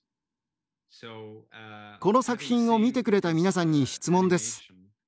この作品を見てくれた皆さんに質問です。